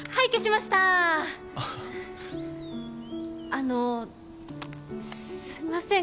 あのすいません